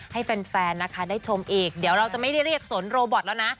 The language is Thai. ให้แฟนนะคะได้ชมอีกเดี๋ยวเราจะไม่ได้เรียกสนโรบอตแล้วนะ